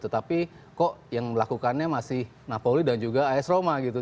tetapi kok yang melakukannya masih napoli dan juga as roma gitu